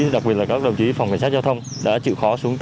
đặc biệt là các đồng chí phòng cảnh sát giao thông đã chịu khó xuống